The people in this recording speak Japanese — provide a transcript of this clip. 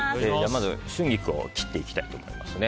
まず春菊を切っていきたいと思います。